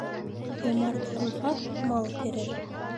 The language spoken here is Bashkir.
Йомарт ҡулға мал керер.